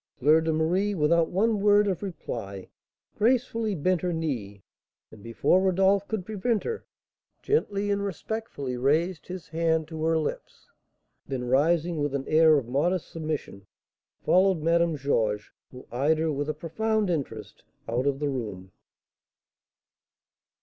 Fleur de Marie, without one word of reply, gracefully bent her knee, and, before Rodolph could prevent her, gently and respectfully raised his hand to her lips; then rising with an air of modest submission, followed Madame Georges, who eyed her with a profound interest, out of the room.